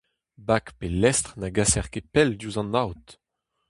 Bag pe lestr na gaser ket pell diouzh an aod.